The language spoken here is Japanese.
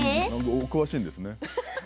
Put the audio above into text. お詳しいですね。